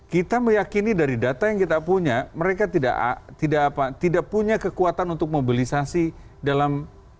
kita meyakini dari data yang kita punya mereka tidak punya kekuatan untuk mobilisasi dalam